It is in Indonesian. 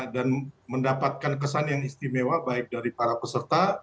dan mendapatkan kesan yang istimewa baik dari para peserta